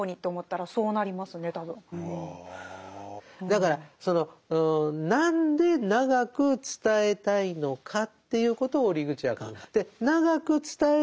だからその何で長く伝えたいのかということを折口は考える。